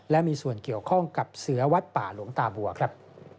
และมีส่วนเกี่ยวข้องกับเสือวัดป่าหลวงตาบัวครับ